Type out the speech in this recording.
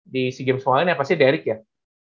di si games kali ini ya pasti derek ya